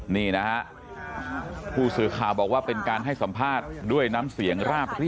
นี่นะฮะผู้สื่อข่าวบอกว่าเป็นการให้สัมภาษณ์ด้วยน้ำเสียงราบรื่น